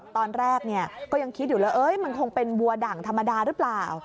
ตอนแรกก็ยังคิดอยู่เลยมันคงเป็นวัวดั่งธรรมดาหรือเปล่า